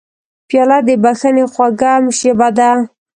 پیاله د بښنې خوږه ژبه ده.